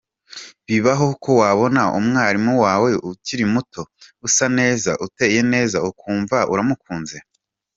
Bibaho ko wabona umwarimu wawe ukiri muto, usa neza, uteye neza, ukumva uramukunze.